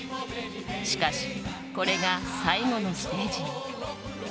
しかし、これが最後のステージに。